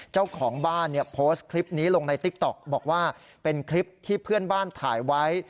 เจ้าของบ้านเนี้ยมาติกท็อคบอกว่าเป็นคลิปที่เพื่อนบ้านถ่ายไว้